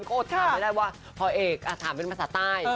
ก็ถามไม่ได้ว่าพอเอกถามเป็นภาษาใต้